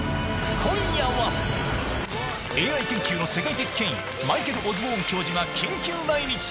今夜はＡＩ研究の世界的権威マイケル・オズボーン教授が緊急来日！